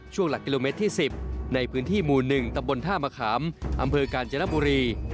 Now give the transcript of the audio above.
หลักกิโลเมตรที่๑๐ในพื้นที่หมู่๑ตำบลท่ามะขามอำเภอกาญจนบุรี